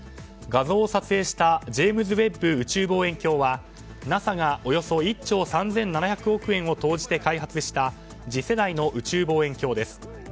画像を撮影したジェームズ・ウェッブ宇宙望遠鏡はＮＡＳＡがおよそ１兆３７００億円を投じて開発した次世代の宇宙望遠鏡です。